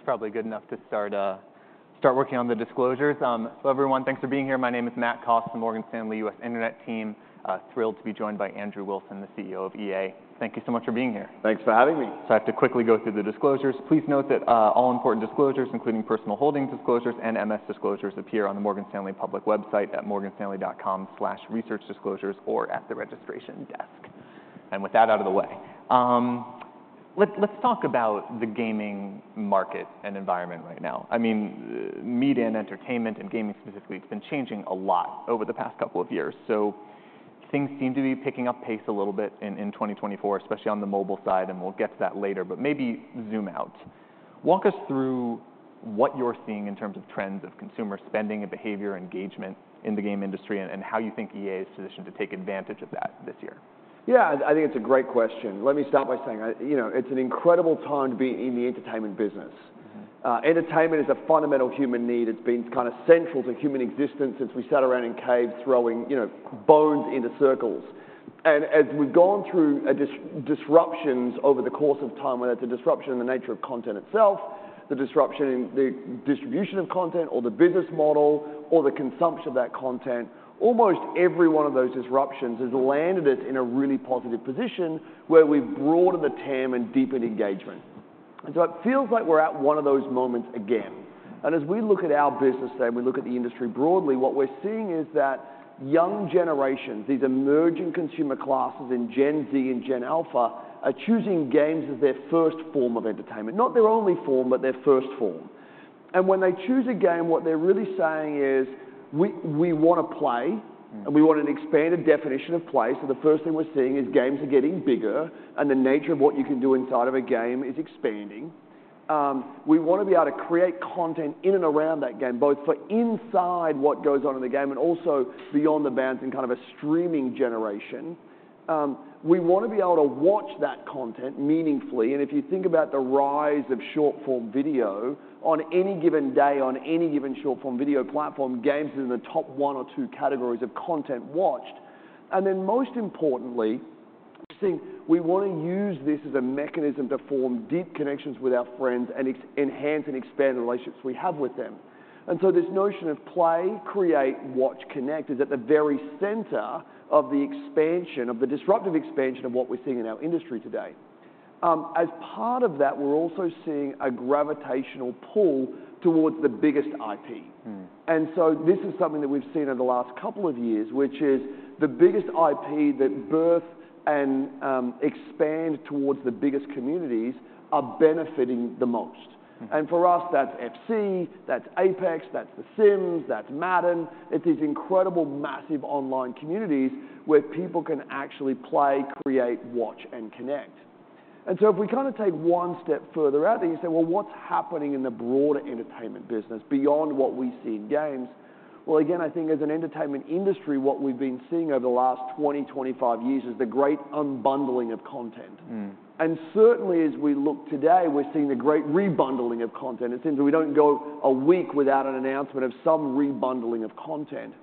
All right. It's probably good enough to start working on the disclosures. Hello everyone, thanks for being here. My name is Matt Cost from Morgan Stanley U.S. Internet Team. Thrilled to be joined by Andrew Wilson, the CEO of EA. Thank you so much for being here. Thanks for having me. I have to quickly go through the disclosures. Please note that all important disclosures, including personal holdings disclosures and MS disclosures, appear on the Morgan Stanley public website at morganstanley.com/researchdisclosures or at the registration desk. With that out of the way, let's talk about the gaming market and environment right now. I mean, media and entertainment and gaming specifically, it's been changing a lot over the past couple of years. Things seem to be picking up pace a little bit in 2024, especially on the mobile side, and we'll get to that later, but maybe zoom out. Walk us through what you're seeing in terms of trends of consumer spending and behavior engagement in the game industry and how you think EA is positioned to take advantage of that this year. Yeah, I think it's a great question. Let me start by saying, you know, it's an incredible time to be in the entertainment business. Entertainment is a fundamental human need. It's been kinda central to human existence since we sat around in caves throwing, you know, bones into circles. As we've gone through a disruptions over the course of time, whether it's a disruption in the nature of content itself, the disruption in the distribution of content, or the business model, or the consumption of that content, almost every one of those disruptions has landed us in a really positive position where we've broadened the TAM and deepened engagement. So it feels like we're at one of those moments again. As we look at our business today and we look at the industry broadly, what we're seeing is that young generations, these emerging consumer classes in Gen Z and Gen Alpha, are choosing games as their first form of entertainment, not their only form, but their first form. When they choose a game, what they're really saying is, "We wanna play. And we want an expanded definition of play." So the first thing we're seeing is games are getting bigger, and the nature of what you can do inside of a game is expanding. We wanna be able to create content in and around that game, both for inside what goes on in the game and also beyond the bounds in kind of a streaming generation. We wanna be able to watch that content meaningfully. And if you think about the rise of short-form video, on any given day, on any given short-form video platform, games are in the top one or two categories of content watched. And then most importantly, we're seeing we wanna use this as a mechanism to form deep connections with our friends and enhance and expand the relationships we have with them. This notion of play, create, watch, connect is at the very center of the expansion of the disruptive expansion of what we're seeing in our industry today. As part of that, we're also seeing a gravitational pull towards the biggest IP. And so this is something that we've seen over the last couple of years, which is the biggest IP that birth and, expand towards the biggest communities are benefiting the most. And for us, that's FC, that's Apex, that's The Sims, that's Madden. It's these incredible, massive online communities where people can actually play, create, watch, and connect. And so if we kinda take one step further out there and you say, "Well, what's happening in the broader entertainment business beyond what we see in games?" Well, again, I think as an entertainment industry, what we've been seeing over the last 20, 25 years is the great unbundling of content. And certainly as we look today, we're seeing the great rebundling of content. It seems that we don't go a week without an announcement of some rebundling of content.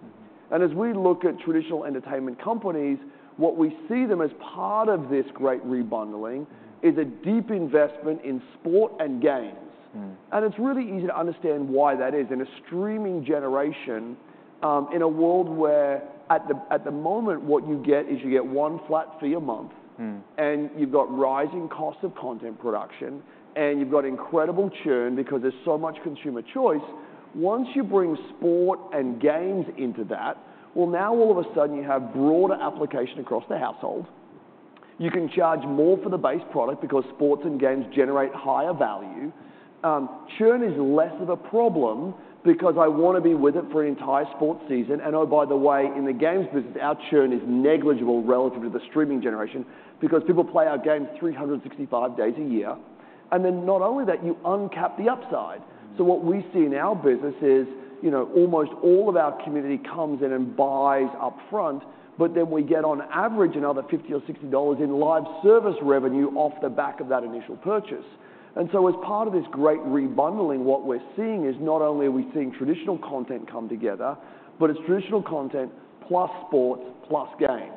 As we look at traditional entertainment companies, what we see them as part of this great rebundling is a deep investment in sport and games. It's really easy to understand why that is. In a streaming generation, in a world where at the moment, what you get is you get one flat fee a month. You've got rising costs of content production, and you've got incredible churn because there's so much consumer choice. Once you bring sport and games into that, well, now all of a sudden, you have broader application across the household. You can charge more for the base product because sports and games generate higher value. Churn is less of a problem because I wanna be with it for an entire sports season. And oh, by the way, in the games business, our churn is negligible relative to the streaming generation because people play our games 365 days a year. And then not only that, you uncap the upside. So what we see in our business is, you know, almost all of our community comes in and buys upfront, but then we get on average another $50 or $60 in live service revenue off the back of that initial purchase. And so as part of this great rebundling, what we're seeing is not only are we seeing traditional content come together, but it's traditional content plus sports plus games.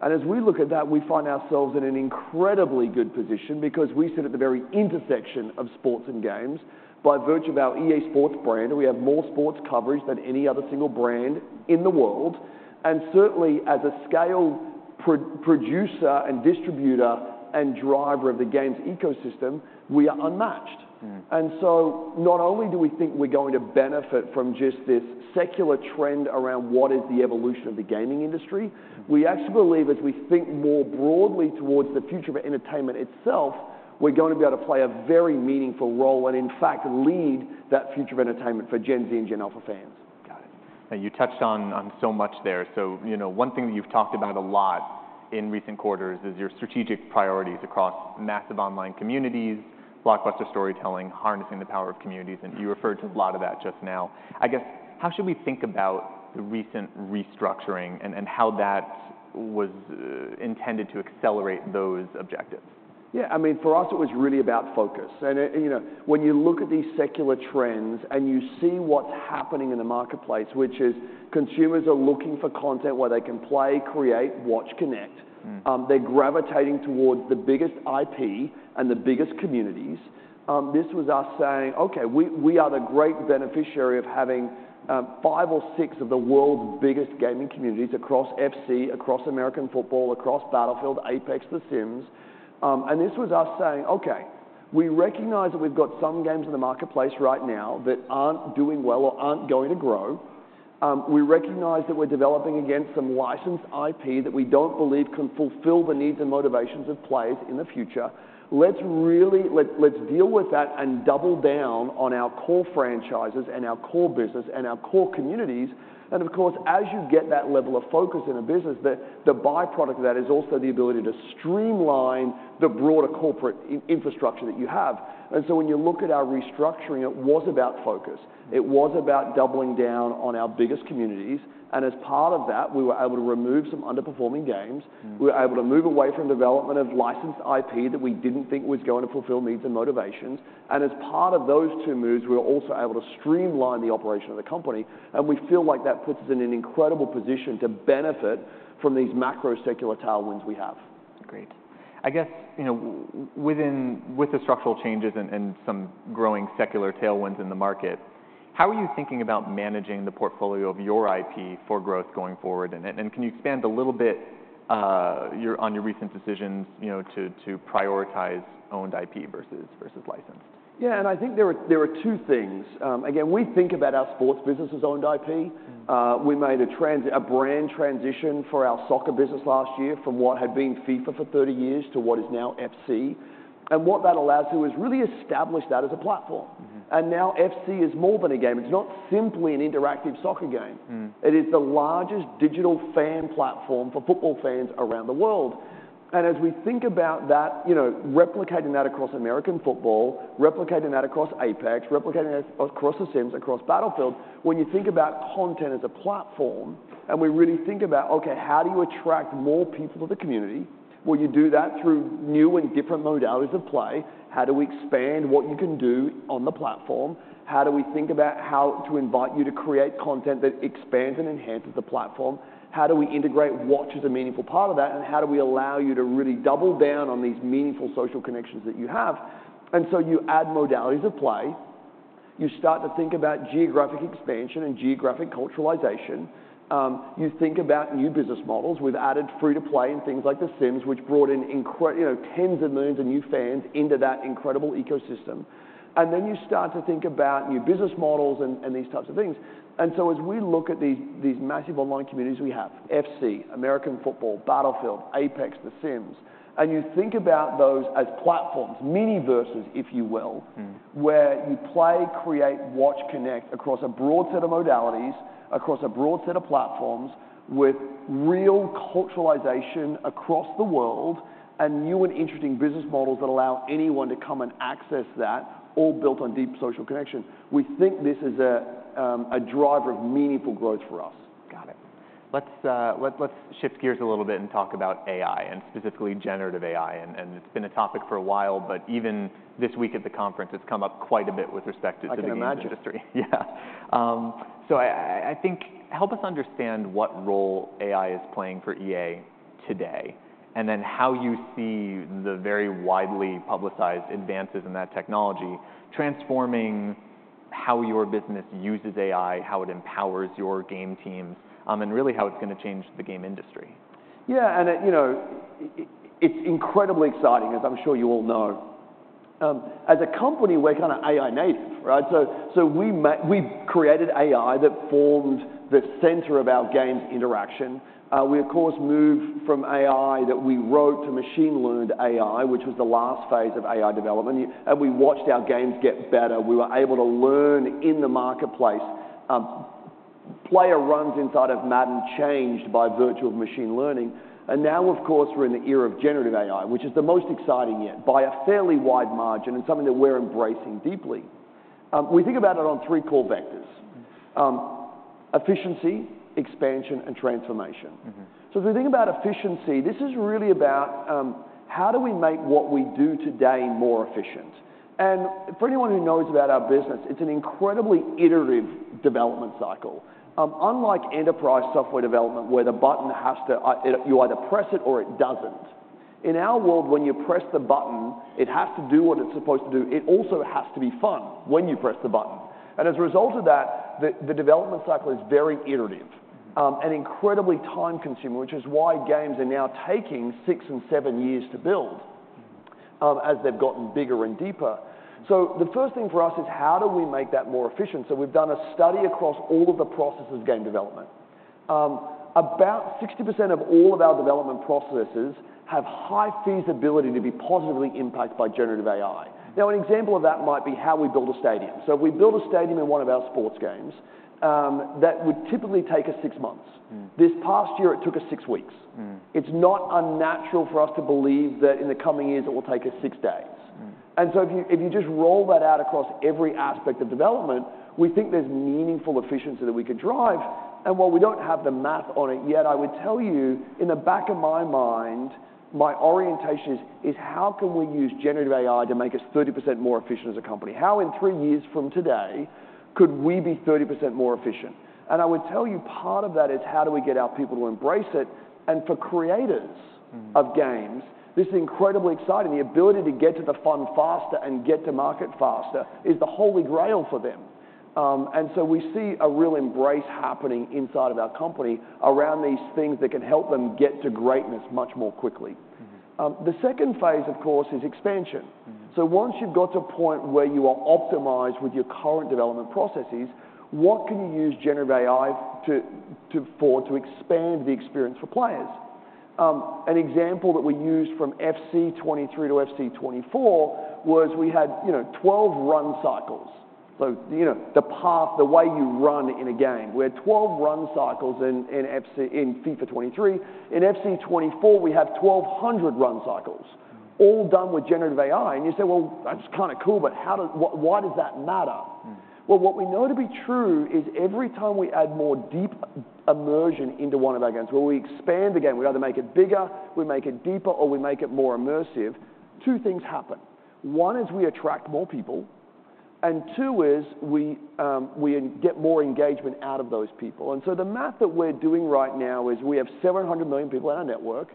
And as we look at that, we find ourselves in an incredibly good position because we sit at the very intersection of sports and games. By virtue of our EA SPORTS brand, we have more sports coverage than any other single brand in the world. And certainly as a scale producer and distributor and driver of the games ecosystem, we are unmatched. And so not only do we think we're going to benefit from just this secular trend around what is the evolution of the gaming industry, we actually believe as we think more broadly towards the future of entertainment itself, we're going to be able to play a very meaningful role and, in fact, lead that future of entertainment for Gen Z and Gen Alpha fans. Got it. Now, you touched on, on so much there. So, you know, one thing that you've talked about a lot in recent quarters is your strategic priorities across massive online communities, blockbuster storytelling, harnessing the power of communities. And you referred to a lot of that just now. I guess, how should we think about the recent restructuring and, and how that was, intended to accelerate those objectives? Yeah. I mean, for us, it was really about focus. And, you know, when you look at these secular trends and you see what's happening in the marketplace, which is consumers are looking for content where they can play, create, watch, connect. They're gravitating towards the biggest IP and the biggest communities. This was us saying, "Okay, we, we are the great beneficiary of having five or six of the world's biggest gaming communities across FC, across American football, across Battlefield, Apex, The Sims." And this was us saying, "Okay, we recognize that we've got some games in the marketplace right now that aren't doing well or aren't going to grow." We recognize that we're developing against some licensed IP that we don't believe can fulfill the needs and motivations of players in the future. Let's deal with that and double down on our core franchises and our core business and our core communities." And of course, as you get that level of focus in a business, the byproduct of that is also the ability to streamline the broader corporate infrastructure that you have. And so when you look at our restructuring, it was about focus. It was about doubling down on our biggest communities. And as part of that, we were able to remove some underperforming games. We were able to move away from development of licensed IP that we didn't think was going to fulfill needs and motivations. And as part of those two moves, we were also able to streamline the operation of the company. And we feel like that puts us in an incredible position to benefit from these macro secular tailwinds we have. Great. I guess, you know, within the structural changes and some growing secular tailwinds in the market, how are you thinking about managing the portfolio of your IP for growth going forward? And can you expand a little bit on your recent decisions, you know, to prioritize owned IP versus licensed? Yeah. And I think there were two things. Again, we think about our sports business as owned IP. We made a brand transition for our soccer business last year from what had been FIFA for 30 years to what is now FC. And what that allows you is really establish that as a platform. And now FC is more than a game. It's not simply an interactive soccer game. It is the largest digital fan platform for football fans around the world. And as we think about that, you know, replicating that across American football, replicating that across Apex, replicating that across The Sims, across Battlefield, when you think about content as a platform and we really think about, "Okay, how do you attract more people to the community?" Well, you do that through new and different modalities of play. How do we expand what you can do on the platform? How do we think about how to invite you to create content that expands and enhances the platform? How do we integrate watch as a meaningful part of that? And how do we allow you to really double down on these meaningful social connections that you have? And so you add modalities of play. You start to think about geographic expansion and geographic culturalization. You think about new business models. We've added free-to-play and things like The Sims, which brought in incredible, you know, tens of millions of new fans into that incredible ecosystem. And then you start to think about new business models and, and these types of things. And so as we look at these, these massive online communities we have: FC, American football, Battlefield, Apex, The Sims, and you think about those as platforms, mini-verses, if you will. Where you play, create, watch, connect across a broad set of modalities, across a broad set of platforms with real culturalization across the world and new and interesting business models that allow anyone to come and access that all built on deep social connection. We think this is a, a driver of meaningful growth for us. Got it. Let's let's shift gears a little bit and talk about AI and specifically generative AI. And it's been a topic for a while, but even this week at the conference, it's come up quite a bit with respect to the gaming industry. I can imagine. Yeah, so I think help us understand what role AI is playing for EA today and then how you see the very widely publicized advances in that technology transforming how your business uses AI, how it empowers your game teams, and really how it's gonna change the game industry? Yeah. And it, you know, it's incredibly exciting, as I'm sure you all know. As a company, we're kinda AI-native, right? So we created AI that formed the center of our games' interaction. We, of course, moved from AI that we wrote to machine-learned AI, which was the last phase of AI development. And we watched our games get better. We were able to learn in the marketplace. Player runs inside of Madden changed by virtue of machine learning. And now, of course, we're in the era of generative AI, which is the most exciting yet by a fairly wide margin and something that we're embracing deeply. We think about it on three core vectors: efficiency, expansion, and transformation. So as we think about efficiency, this is really about how do we make what we do today more efficient? For anyone who knows about our business, it's an incredibly iterative development cycle. Unlike enterprise software development where the button has to it you either press it or it doesn't. In our world, when you press the button, it has to do what it's supposed to do. It also has to be fun when you press the button. And as a result of that, the, the development cycle is very iterative and incredibly time-consuming, which is why games are now taking 6 and 7 years to build, as they've gotten bigger and deeper. So the first thing for us is how do we make that more efficient? So we've done a study across all of the processes of game development. About 60% of all of our development processes have high feasibility to be positively impacted by generative AI. Now, an example of that might be how we build a stadium. So if we build a stadium in one of our sports games, that would typically take us six months. This past year, it took us six weeks. It's not unnatural for us to believe that in the coming years, it will take us six days. And so if you just roll that out across every aspect of development, we think there's meaningful efficiency that we could drive. And while we don't have the math on it yet, I would tell you, in the back of my mind, my orientation is how can we use generative AI to make us 30% more efficient as a company? How in three years from today could we be 30% more efficient? I would tell you, part of that is how do we get our people to embrace it? And for creators of games, this is incredibly exciting. The ability to get to the fun faster and get to market faster is the holy grail for them. And so we see a real embrace happening inside of our company around these things that can help them get to greatness much more quickly. The second phase, of course, is expansion. So once you've got to a point where you are optimized with your current development processes, what can you use generative AI to expand the experience for players? An example that we used from FC 23 to FC 24 was we had, you know, 12 run cycles. So, you know, the path the way you run in a game. We had 12 run cycles in FC in FIFA 23. In FC 24, we have 1,200 run cycles. All done with generative AI. You say, "Well, that's kinda cool, but how does what, why does that matter?" Well, what we know to be true is every time we add more deep immersion into one of our games, where we expand the game, we either make it bigger, we make it deeper, or we make it more immersive, two things happen. One is we attract more people. And two is we, we get more engagement out of those people. And so the math that we're doing right now is we have 700 million people in our network.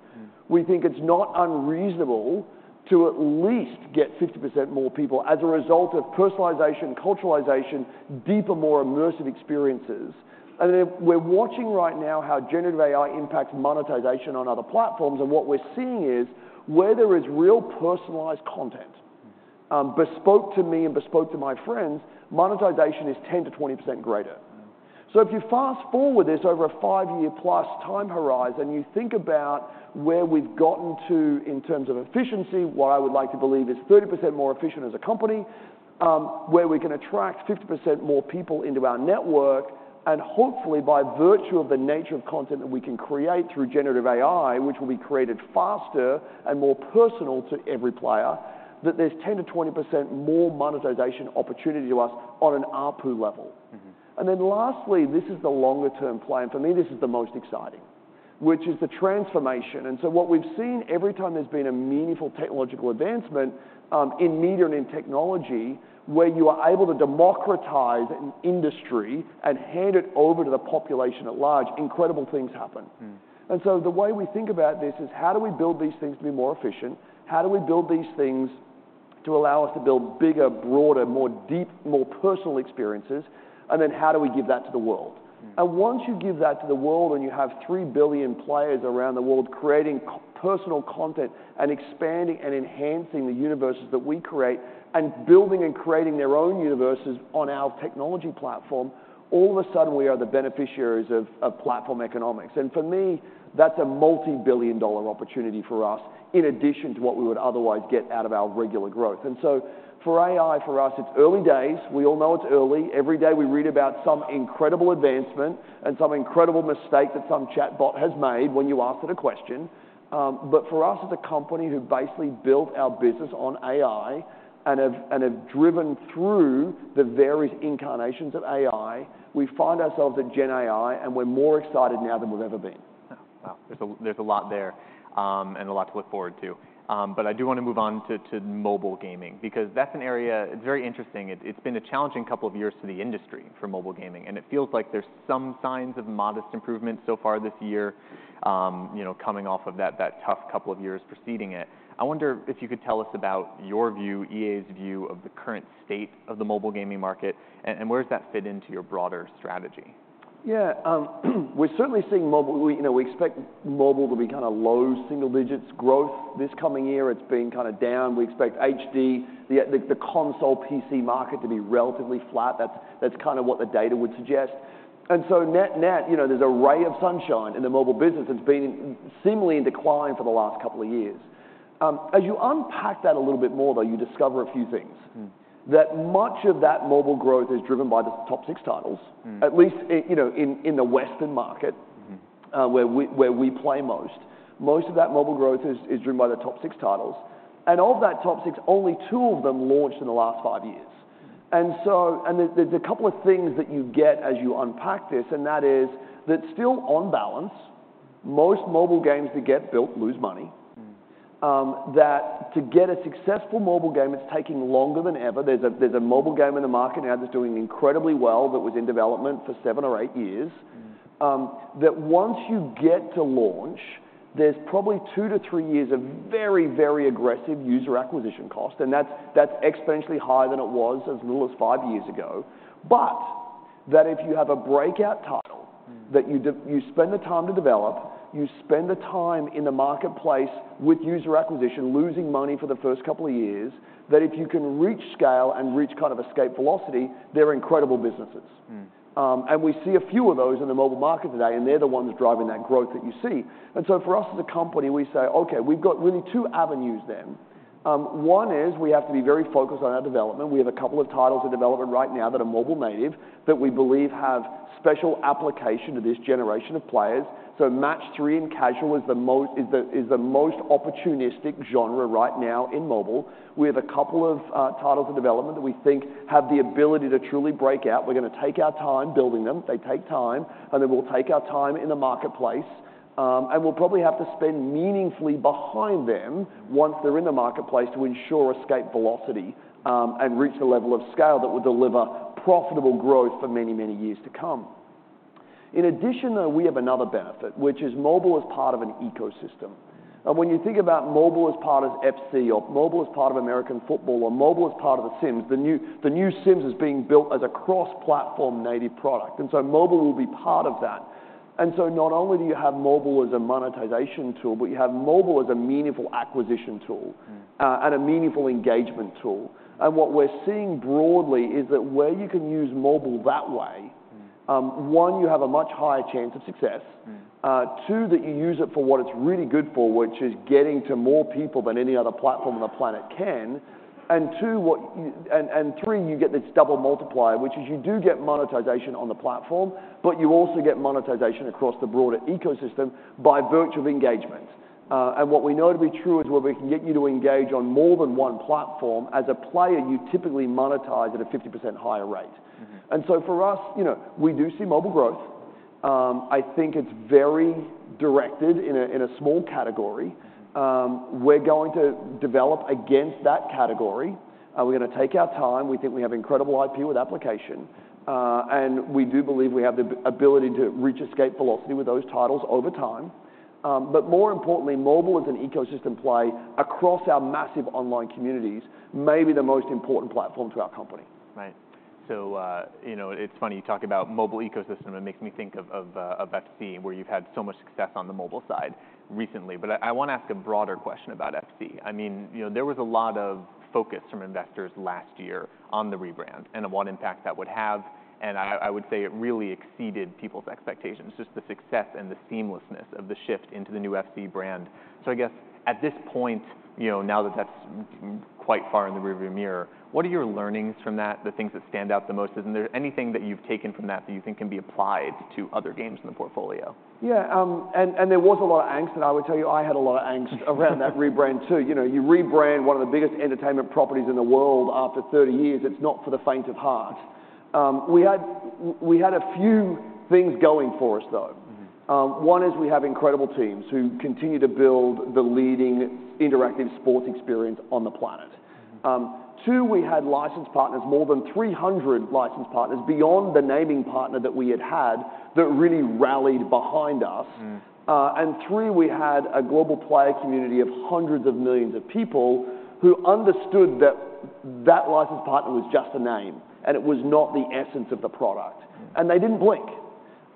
We think it's not unreasonable to at least get 50% more people as a result of personalization, culturalization, deeper, more immersive experiences. And then we're watching right now how generative AI impacts monetization on other platforms. And what we're seeing is where there is real personalized content. Bespoke to me and bespoke to my friends, monetization is 10%-20% greater. So if you fast forward this over a 5-year-plus time horizon, you think about where we've gotten to in terms of efficiency, what I would like to believe is 30% more efficient as a company, where we can attract 50% more people into our network. And hopefully, by virtue of the nature of content that we can create through generative AI, which will be created faster and more personal to every player, that there's 10%-20% more monetization opportunity to us on an ARPU level. Then lastly, this is the longer-TAM plan. For me, this is the most exciting, which is the transformation. So what we've seen every time there's been a meaningful technological advancement, in media and in technology, where you are able to democratize an industry and hand it over to the population at large, incredible things happen. So the way we think about this is how do we build these things to be more efficient? How do we build these things to allow us to build bigger, broader, more deep, more personal experiences? Then how do we give that to the world? Once you give that to the world and you have 3 billion players around the world creating personal content and expanding and enhancing the universes that we create and building and creating their own universes on our technology platform, all of a sudden, we are the beneficiaries of, of platform economics. For me, that's a multibillion-dollar opportunity for us in addition to what we would otherwise get out of our regular growth. So for AI, for us, it's early days. We all know it's early. Every day, we read about some incredible advancement and some incredible mistake that some chatbot has made when you asked it a question. but for us, as a company who basically built our business on AI and have driven through the various incarnations of AI, we find ourselves at gen AI, and we're more excited now than we've ever been. Yeah. Wow. There's a lot there, and a lot to look forward to. But I do wanna move on to mobile gaming because that's an area it's very interesting. It's been a challenging couple of years to the industry for mobile gaming. And it feels like there's some signs of modest improvement so far this year, you know, coming off of that tough couple of years preceding it. I wonder if you could tell us about your view, EA's view, of the current state of the mobile gaming market, and where does that fit into your broader strategy? Yeah. We're certainly seeing mobile, we, you know, we expect mobile to be kinda low single-digits growth this coming year. It's been kinda down. We expect HD, the console PC market to be relatively flat. That's kinda what the data would suggest. And so net-net, you know, there's a ray of sunshine in the mobile business that's been seemingly in decline for the last couple of years. As you unpack that a little bit more, though, you discover a few things. That much of that mobile growth is driven by the top six titles. At least I, you know, in the Western market. Where we play most of that mobile growth is driven by the top six titles. Of that top six, only two of them launched in the last five years. So there, there's a couple of things that you get as you unpack this. That is, still on balance, most mobile games that get built lose money. To get a successful mobile game, it's taking longer than ever. There's a mobile game in the market now that's doing incredibly well that was in development for seven or eight years. Once you get to launch, there's probably 2-3 years of very, very aggressive user acquisition cost. And that's exponentially higher than it was as little as five years ago. But if you have a breakout title. That if you spend the time to develop, you spend the time in the marketplace with user acquisition losing money for the first couple of years, that if you can reach scale and reach kind of escape velocity, they're incredible businesses. We see a few of those in the mobile market today, and they're the ones driving that growth that you see. So for us as a company, we say, "Okay, we've got really two avenues then." One is we have to be very focused on our development. We have a couple of titles in development right now that are mobile-native that we believe have special application to this generation of players. So match three and casual is the most opportunistic genre right now in mobile. We have a couple of titles in development that we think have the ability to truly break out. We're gonna take our time building them. They take time. And then we'll take our time in the marketplace. And we'll probably have to spend meaningfully behind them once they're in the marketplace to ensure escape velocity, and reach the level of scale that will deliver profitable growth for many, many years to come. In addition, though, we have another benefit, which is mobile as part of an ecosystem. And when you think about mobile as part of FC or mobile as part of American football or mobile as part of The Sims, the new The Sims is being built as a cross-platform-native product. And so mobile will be part of that. And so not only do you have mobile as a monetization tool, but you have mobile as a meaningful acquisition tool and a meaningful engagement tool. And what we're seeing broadly is that where you can use mobile that way. 1, you have a much higher chance of success. 2, that you use it for what it's really good for, which is getting to more people than any other platform on the planet can. And 2, what you and, and 3, you get this double multiplier, which is you do get monetization on the platform, but you also get monetization across the broader ecosystem by virtue of engagement. And what we know to be true is where we can get you to engage on more than one platform, as a player, you typically monetize at a 50% higher rate. For us, you know, we do see mobile growth. I think it's very directed in a small category. We're going to develop against that category. We're gonna take our time. We think we have incredible IP with application. And we do believe we have the ability to reach escape velocity with those titles over time. But more importantly, mobile as an ecosystem play across our massive online communities may be the most important platform to our company. Right. So, you know, it's funny you talk about mobile ecosystem. It makes me think of FC, where you've had so much success on the mobile side recently. But I wanna ask a broader question about FC. I mean, you know, there was a lot of focus from investors last year on the rebrand and on what impact that would have. And I would say it really exceeded people's expectations, just the success and the seamlessness of the shift into the new FC brand. So I guess at this point, you know, now that that's quite far in the rearview mirror, what are your learnings from that, the things that stand out the most? Isn't there anything that you've taken from that that you think can be applied to other games in the portfolio? Yeah. And there was a lot of angst, and I would tell you, I had a lot of angst. Around that rebrand too. You know, you rebrand one of the biggest entertainment properties in the world after 30 years. It's not for the faint of heart. We had a few things going for us, though. One is we have incredible teams who continue to build the leading interactive sports experience on the planet. Two, we had licensed partners, more than 300 licensed partners beyond the naming partner that we had had that really rallied behind us. And three, we had a global player community of hundreds of millions of people who understood that that licensed partner was just a name, and it was not the essence of the product. And they didn't blink.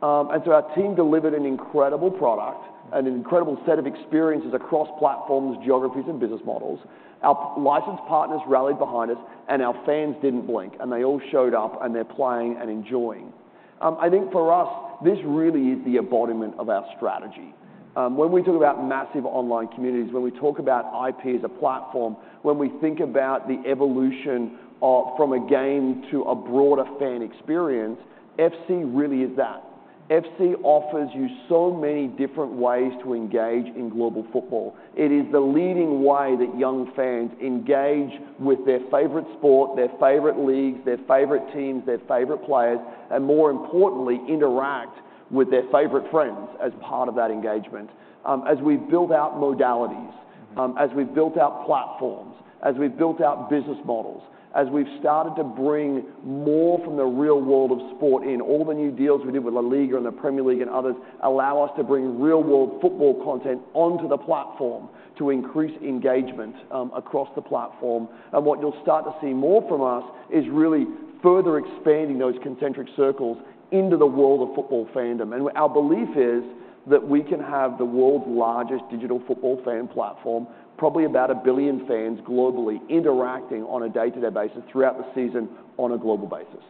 And so our team delivered an incredible product. And an incredible set of experiences across platforms, geographies, and business models. Our licensed partners rallied behind us, and our fans didn't blink. And they all showed up, and they're playing and enjoying. I think for us, this really is the embodiment of our strategy. When we talk about massive online communities, when we talk about IP as a platform, when we think about the evolution of from a game to a broader fan experience, FC really is that. FC offers you so many different ways to engage in global football. It is the leading way that young fans engage with their favorite sport, their favorite leagues, their favorite teams, their favorite players, and more importantly, interact with their favorite friends as part of that engagement. As we've built out modalities. As we've built out platforms, as we've built out business models, as we've started to bring more from the real world of sport in, all the new deals we did with LaLiga and the Premier League and others allow us to bring real-world football content onto the platform to increase engagement across the platform. What you'll start to see more from us is really further expanding those concentric circles into the world of football fandom. And our belief is that we can have the world's largest digital football fan platform, probably about 1 billion fans globally interacting on a day-to-day basis throughout the season on a global basis.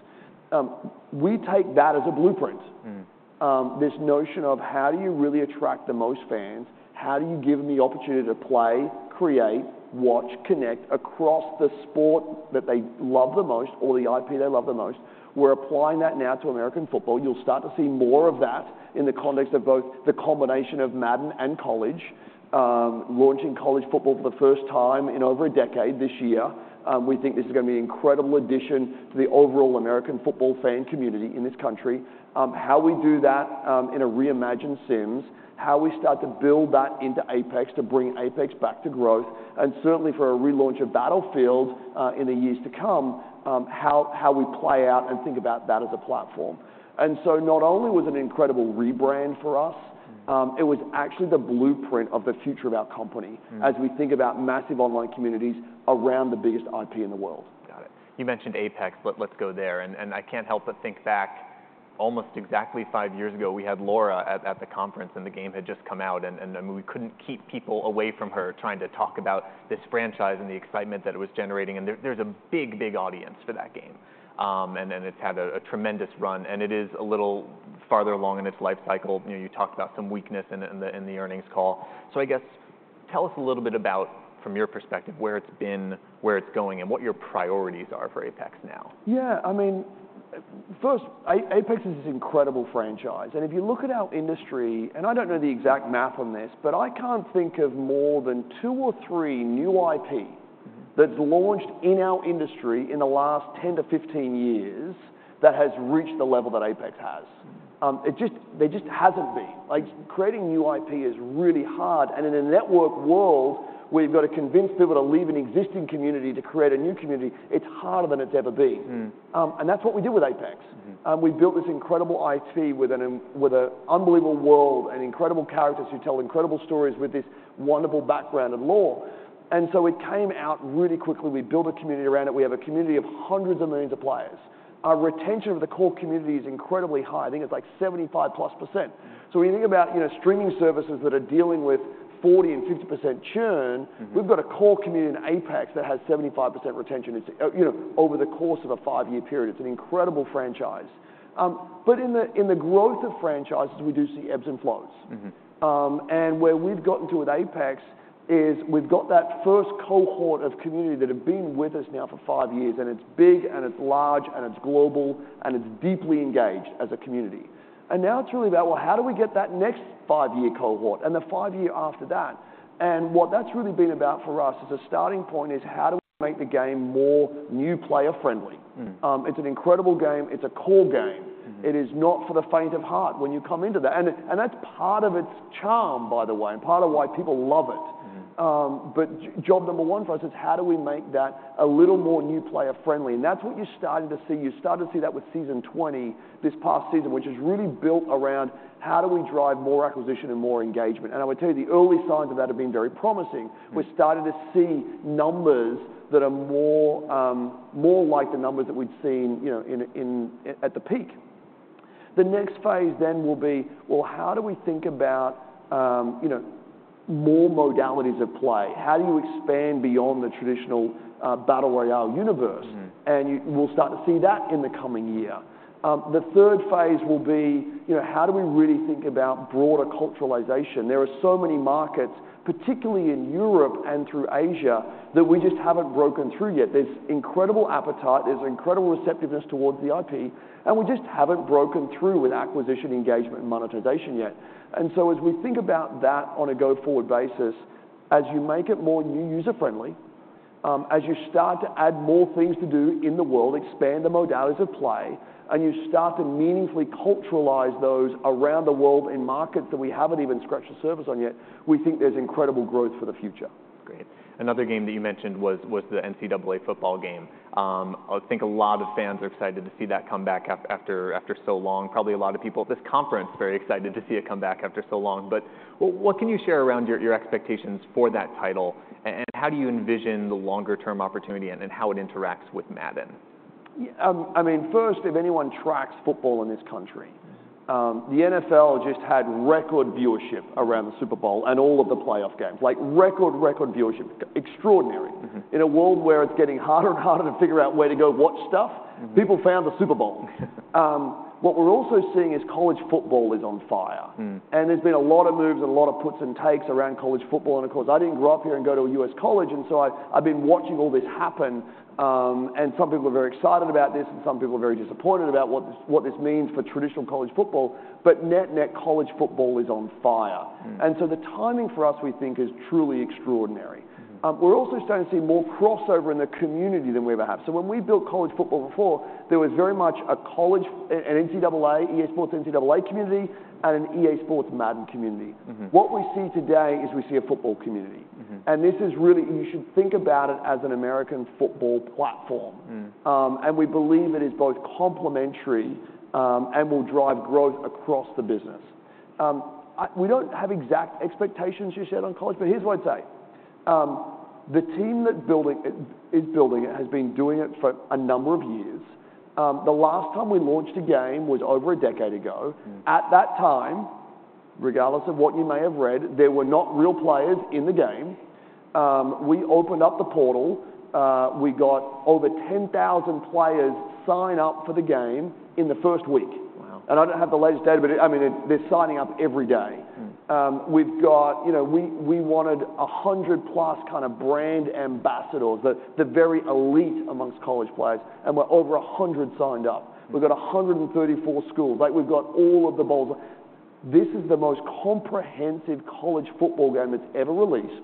We take that as a blueprint. This notion of how do you really attract the most fans? How do you give them the opportunity to play, create, watch, connect across the sport that they love the most or the IP they love the most? We're applying that now to American football. You'll start to see more of that in the context of both the combination of Madden and College, launching college football for the first time in over a decade this year. We think this is gonna be an incredible addition to the overall American football fan community in this country. How we do that, in a reimagined Sims, how we start to build that into Apex to bring Apex back to growth, and certainly for a relaunch of Battlefield, in the years to come, how we play out and think about that as a platform. And so not only was it an incredible rebrand for us. It was actually the blueprint of the future of our company. As we think about massive online communities around the biggest IP in the world. Got it. You mentioned Apex. Let's go there. I can't help but think back almost exactly five years ago, we had Laura at the conference, and the game had just come out. I mean, we couldn't keep people away from her trying to talk about this franchise and the excitement that it was generating. There's a big, big audience for that game. And it's had a tremendous run. And it is a little farther along in its lifecycle. You know, you talked about some weakness in the earnings call. So I guess tell us a little bit about, from your perspective, where it's been, where it's going, and what your priorities are for Apex now. Yeah. I mean, first, Apex is this incredible franchise. And if you look at our industry and I don't know the exact math on this, but I can't think of more than two or three new IP that's launched in our industry in the last 10-15 years that has reached the level that Apex has. It just, there just hasn't been. Like, creating new IP is really hard. And in a network world where you've gotta convince people to leave an existing community to create a new community, it's harder than it's ever been. And that's what we did with Apex. We built this incredible IP with an unbelievable world and incredible characters who tell incredible stories with this wonderful background and lore. So it came out really quickly. We built a community around it. We have a community of hundreds of millions of players. Our retention of the core community is incredibly high. I think it's like 75%+. So when you think about, you know, streaming services that are dealing with 40% and 50% churn. We've got a core community in Apex that has 75% retention. It's, you know, over the course of a five-year period. It's an incredible franchise. But in the growth of franchises, we do see ebbs and flows. Where we've gotten to with Apex is we've got that first cohort of community that have been with us now for five years. And it's big, and it's large, and it's global, and it's deeply engaged as a community. And now it's really about, well, how do we get that next five-year cohort and the five-year after that? And what that's really been about for us as a starting point is how do we make the game more new-player-friendly? It's an incredible game. It's a core game. It is not for the faint of heart when you come into that. And that's part of its charm, by the way, and part of why people love it. But job number one for us is how do we make that a little more new-player-friendly? And that's what you started to see. You started to see that with season 20 this past season, which is really built around how do we drive more acquisition and more engagement? And I would tell you, the early signs of that have been very promising. We're starting to see numbers that are more, more like the numbers that we'd seen, you know, in at the peak. The next phase then will be, well, how do we think about, you know, more modalities of play? How do you expand beyond the traditional battle royale universe? And you'll start to see that in the coming year. The third phase will be, you know, how do we really think about broader culturalization? There are so many markets, particularly in Europe and through Asia, that we just haven't broken through yet. There's incredible appetite. There's incredible receptiveness towards the IP. We just haven't broken through with acquisition, engagement, and monetization yet. So as we think about that on a go-forward basis, as you make it more new-user-friendly, as you start to add more things to do in the world, expand the modalities of play, and you start to meaningfully culturalize those around the world in markets that we haven't even scratched the surface on yet, we think there's incredible growth for the future. Great. Another game that you mentioned was the NCAA football game. I think a lot of fans are excited to see that come back after so long. Probably a lot of people at this conference are very excited to see it come back after so long. But what can you share around your expectations for that title? And how do you envision the longer-term opportunity and how it interacts with Madden? Yeah, I mean, first, if anyone tracks football in this country, the NFL just had record viewership around the Super Bowl and all of the playoff games. Like, record, record viewership. Extraordinary. In a world where it's getting harder and harder to figure out where to go watch stuff. People found the Super Bowl. What we're also seeing is college football is on fire. And there's been a lot of moves and a lot of puts and takes around college football. And of course, I didn't grow up here and go to a US college. And so I, I've been watching all this happen. And some people are very excited about this, and some people are very disappointed about what this what this means for traditional college football. But net, net, college football is on fire. And so the timing for us, we think, is truly extraordinary. We're also starting to see more crossover in the community than we ever have. So when we built college football before, there was very much a college football and NCAA, EA Sports NCAA community, and an EA Sports Madden community. What we see today is we see a football community. This is really you should think about it as an American football platform. We believe it is both complementary and will drive growth across the business. We don't have exact expectations, you said, on college. But here's what I'd say. The team that building it is building it has been doing it for a number of years. The last time we launched a game was over a decade ago. At that time, regardless of what you may have read, there were not real players in the game. We opened up the portal. We got over 10,000 players sign up for the game in the first week. Wow. I don't have the latest data, but I mean, they're signing up every day. We've got, you know, we wanted 100-plus kind of brand ambassadors, the very elite amongst college players. And we're over 100 signed up. We've got 134 schools. Like, we've got all of the bowls. This is the most comprehensive college football game that's ever released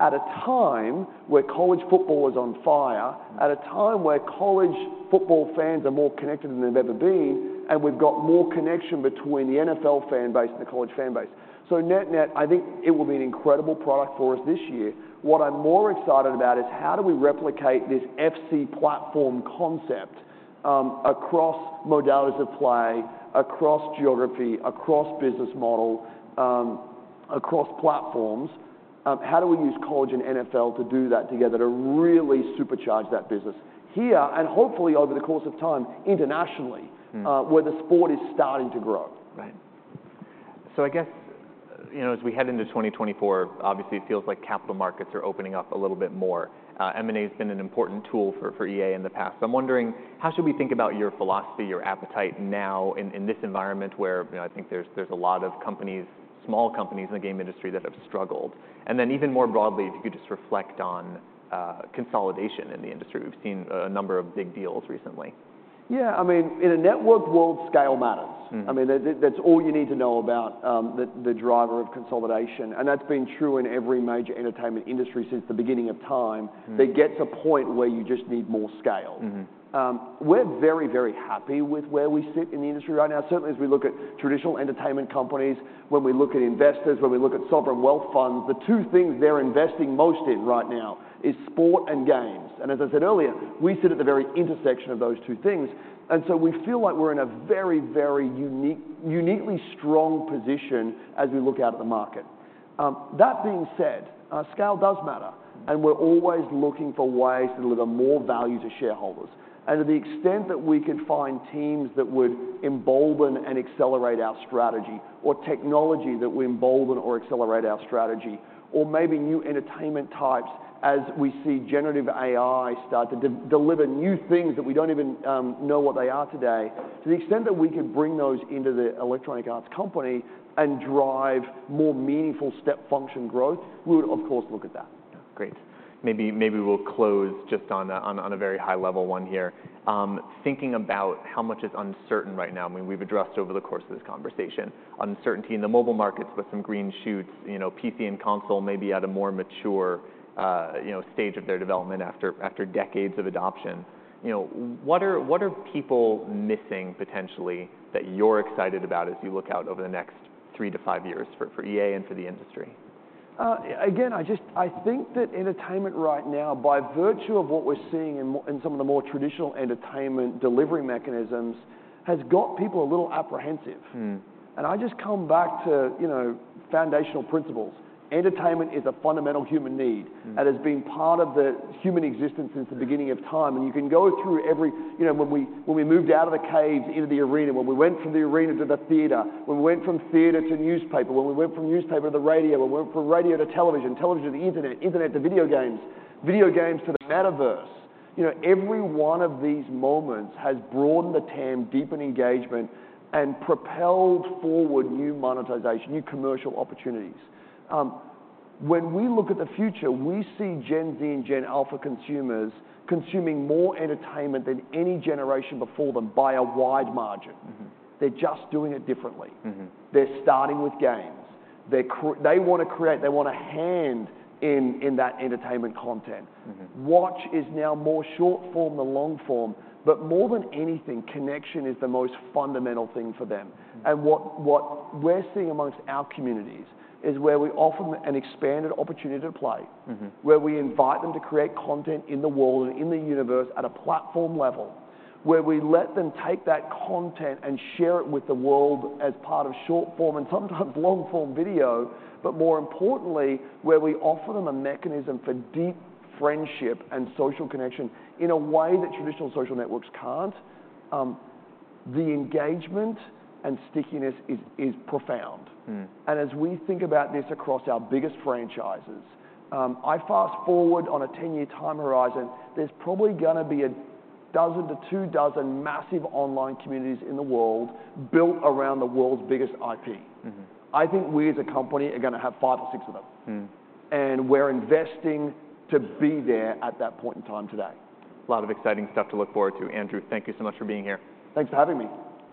at a time where college football is on fire, at a time where college football fans are more connected than they've ever been, and we've got more connection between the NFL fanbase and the college fanbase. So net, net, I think it will be an incredible product for us this year. What I'm more excited about is how do we replicate this FC platform concept, across modalities of play, across geography, across business model, across platforms? How do we use college and NFL to do that together to really supercharge that business here and hopefully over the course of time internationally, where the sport is starting to grow. Right. So I guess, you know, as we head into 2024, obviously, it feels like capital markets are opening up a little bit more. M&A's been an important tool for EA in the past. So I'm wondering, how should we think about your philosophy, your appetite now in this environment where, you know, I think there's a lot of companies, small companies in the game industry that have struggled? And then even more broadly, if you could just reflect on consolidation in the industry. We've seen a number of big deals recently. Yeah. I mean, in a networked world, scale matters. I mean, that's all you need to know about the driver of consolidation. That's been true in every major entertainment industry since the beginning of time. There gets a point where you just need more scale. We're very, very happy with where we sit in the industry right now. Certainly, as we look at traditional entertainment companies, when we look at investors, when we look at sovereign wealth funds, the two things they're investing most in right now is sport and games. And as I said earlier, we sit at the very intersection of those two things. And so we feel like we're in a very, very unique, uniquely strong position as we look out at the market. That being said, scale does matter. And we're always looking for ways to deliver more value to shareholders. To the extent that we could find teams that would embolden and accelerate our strategy or technology that would embolden or accelerate our strategy or maybe new entertainment types as we see generative AI start to deliver new things that we don't even know what they are today, to the extent that we could bring those into the Electronic Arts company and drive more meaningful step function growth, we would, of course, look at that. Yeah. Great. Maybe we'll close just on a very high-level one here. Thinking about how much is uncertain right now. I mean, we've addressed over the course of this conversation uncertainty in the mobile markets with some green shoots, you know, PC and console maybe at a more mature, you know, stage of their development after decades of adoption. You know, what are people missing potentially that you're excited about as you look out over the next three to five years for EA and for the industry? Again, I just think that entertainment right now, by virtue of what we're seeing in some of the more traditional entertainment delivery mechanisms, has got people a little apprehensive. And I just come back to, you know, foundational principles. Entertainment is a fundamental human need. That has been part of the human existence since the beginning of time. And you can go through every, you know, when we moved out of the caves into the arena, when we went from the arena to the theater, when we went from theater to newspaper, when we went from newspaper to the radio, when we went from radio to television, television to the internet, internet to video games, video games to the metaverse, you know, every one of these moments has broadened the TAM, deepened engagement, and propelled forward new monetization, new commercial opportunities. When we look at the future, we see Gen Z and Gen Alpha consumers consuming more entertainment than any generation before them by a wide margin. They're just doing it differently. They're starting with games. They're creating. They wanna create. They wanna hand in hand in that entertainment content. Watch is now more short-form than long-form. But more than anything, connection is the most fundamental thing for them. And what we're seeing among our communities is where we offer them an expanded opportunity to play. Where we invite them to create content in the world and in the universe at a platform level, where we let them take that content and share it with the world as part of short-form and sometimes long-form video, but more importantly, where we offer them a mechanism for deep friendship and social connection in a way that traditional social networks can't. The engagement and stickiness is profound. And as we think about this across our biggest franchises, I fast-forward on a 10-year time horizon, there's probably gonna be a dozen to two dozen massive online communities in the world built around the world's biggest IP. I think we as a company are gonna have five or six of them. And we're investing to be there at that point in time today. A lot of exciting stuff to look forward to. Andrew, thank you so much for being here. Thanks for having me.